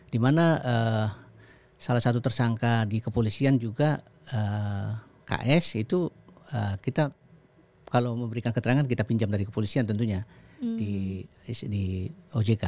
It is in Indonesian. dimana salah satu tersangka di kepolisian juga ks itu kita kalau memberikan keterangan kita pinjam dari kepolisian tentunya di ojk